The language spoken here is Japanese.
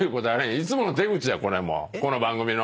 いつもの手口やこの番組の。